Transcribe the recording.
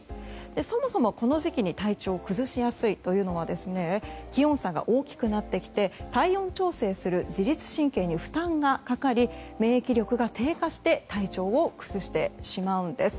そもそも、この時期に体調を崩しやすいというのは気温差が大きくなってきて体温調整をする自律神経に負担がかかり免疫力が低下して体調を崩してしまうんです。